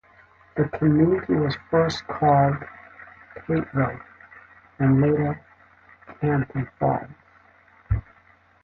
The community was first called "Tateville" and later "Canton Falls.